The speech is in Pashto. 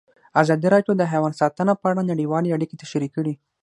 ازادي راډیو د حیوان ساتنه په اړه نړیوالې اړیکې تشریح کړي.